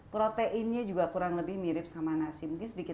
proteinnya juga kurang lebih mirip sama nasi mungkin sedikit lebih tinggi ya si sorghum